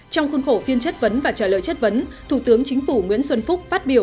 trong khuôn khổ phiên chất vấn và trả lời chất vấn thủ tướng chính phủ nguyễn xuân phúc phát biểu